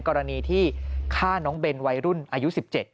กรณีที่ฆ่าน้องเบนวัยรุ่นอายุ๑๗